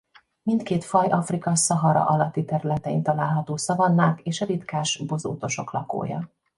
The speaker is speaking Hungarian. Mindkét faj Afrika Szahara alatti területein található szavannák és ritkás bozótosok lakója.